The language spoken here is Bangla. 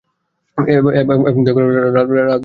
এবং দয়া করে রাত দুটো-তিনটায় নয়।